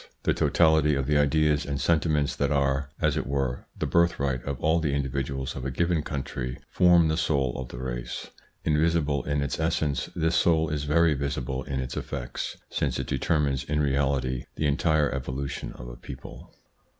The totality of the ideas and sentiments that are, as it were, the birthright of all the individuals of a given country form the soul of the race. Invisible in its essence, this soul is very visible in its effects, since it de termines in reality the entire evolution of a people.